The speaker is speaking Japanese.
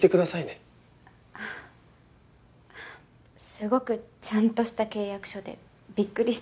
すごくちゃんとした契約書でびっくりした。